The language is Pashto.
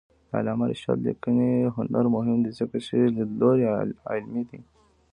د علامه رشاد لیکنی هنر مهم دی ځکه چې لیدلوری علمي دی.